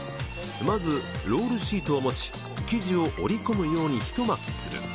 まずロールシートを持ち生地を折り込むようにひと巻きする。